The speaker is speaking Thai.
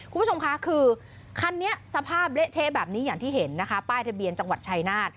คุณผู้ชมคะคือคันนี้สภาพเละเทะแบบนี้อย่างที่เห็นนะคะป้ายทะเบียนจังหวัดชายนาฏ